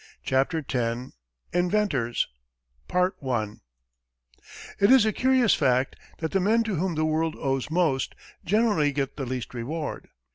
CHAPTER X INVENTORS It is a curious fact that the men to whom the world owes most generally get the least reward.